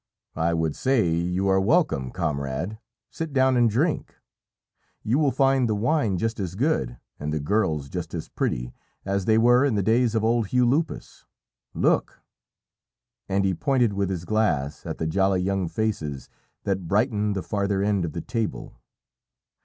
"I would say, 'You are welcome, comrade; sit down and drink. You will find the wine just as good and the girls just as pretty as they were in the days of old Hugh Lupus.' Look!" And he pointed with his glass at the jolly young faces that brightened the farther end of the table.